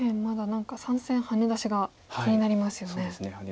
まだ何か３線ハネ出しが気になりますよね。